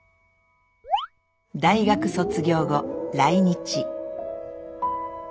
大学卒業後来日。